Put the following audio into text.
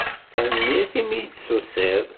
Tanemmirt imi d-tusiḍ.